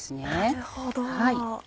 なるほど。